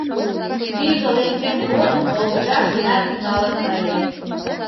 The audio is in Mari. Тӱгӧ лекмем годым волгыжаш гына тӱҥалын ыле.